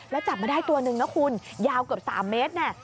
แล้วจับมาได้ตัวนึงนะคุณยาวเกือบ๓เมตรเนี่ย